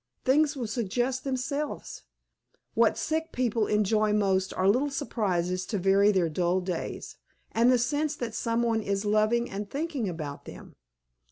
Things will suggest themselves. What sick people enjoy most are little surprises to vary their dull days, and the sense that some one is loving and thinking about them.